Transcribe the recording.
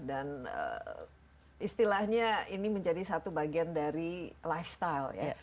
istilahnya ini menjadi satu bagian dari lifestyle ya